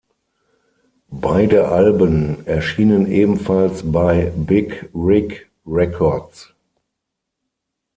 Beide Alben erschienen ebenfalls bei "Big Rig Records".